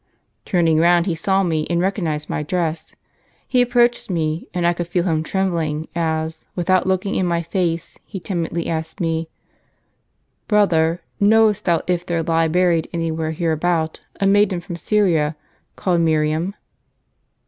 " Turning round he saw me, and recognized my dress. He approached me, and I could feel him trembling, as, without looking in my face, he timidly asked me :' Brother, knowest thou if there lie buried any where here about a maiden from Syria, called Miriam